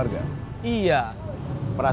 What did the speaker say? orang bukenya tussen temen laki laki